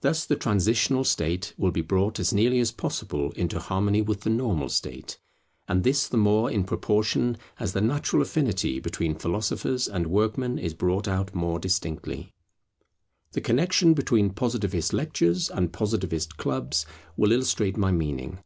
Thus the transitional state will be brought as nearly as possible into harmony with the normal state; and this the more in proportion as the natural affinity between philosophers and workmen is brought out more distinctly. The connexion between Positivist lectures and Positivist clubs will illustrate my meaning.